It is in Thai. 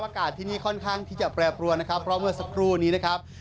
อากาศที่นี่ค่อนข้างที่จะแปรปรวนนะครับเพราะเมื่อสักครู่นี้นะครับ